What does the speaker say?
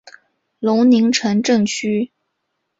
尤宁城镇区。